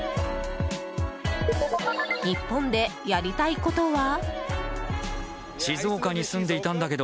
日本でやりたいことは？